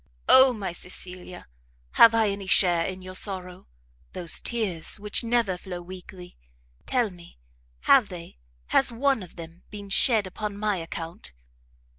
Oh my Cecilia! have I any share in your sorrow? Those tears, which never flow weakly, tell me, have they has one of them been shed upon my account?"